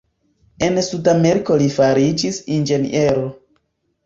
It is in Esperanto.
En Sudameriko li fariĝis inĝeniero.